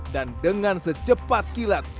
dan dengan secepat kilat